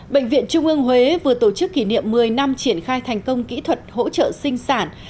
bệnh viện trung ương huế vừa tổ chức kỷ niệm một mươi năm triển khai thành công kỹ thuật hỗ trợ sinh sản